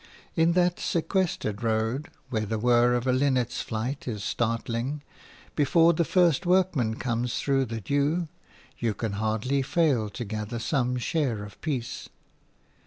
In that sequestered road, where the whirr of a linnet's flight is startling, before the first workman comes through the dew, you can hardly fail to gather some share of peace.